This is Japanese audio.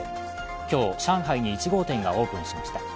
今日、上海に１号店がオープンしました。